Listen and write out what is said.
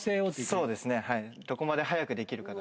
そうですね、どこまで早くできるか。